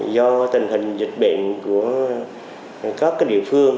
do tình hình dịch bệnh của các địa phương